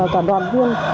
cả đoàn viên